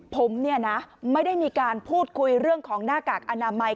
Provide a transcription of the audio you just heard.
ผมเนี่ยนะไม่ได้มีการพูดคุยเรื่องของหน้ากากอนามัย